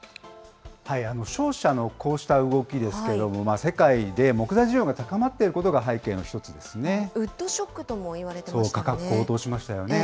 商社のこうした動きですけれども、世界で木材需要が高まってウッドショックともいわれて価格、高騰しましたよね。